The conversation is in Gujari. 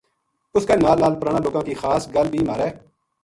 اس کے نال نال پرانا لوکاں کی خاص گل بھی مھارے